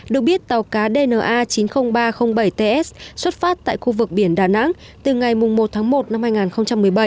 được biết tàu cá dna chín mươi nghìn ba trăm linh bảy ts xuất phát tại khu vực biển đà nẵng từ ngày một tháng một năm hai nghìn một mươi bảy